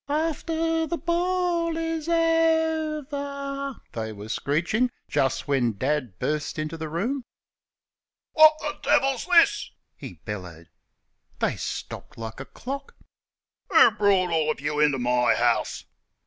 "After the ball is o ver," they were screeching just when Dad burst into the room. "Wot th' devil's this?" he bellowed. (They stopped like a clock.) "Who brought all you into my house?"